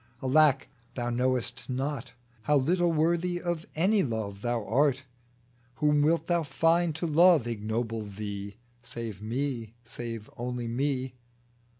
Alack, thou knowest not How little worthy of any love thou art 1 HERBERT TRENCH 225 Whom wilt thou find to love ignoble thee Save Me, save only Me